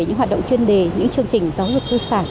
những hoạt động chuyên đề những chương trình giáo dục di sản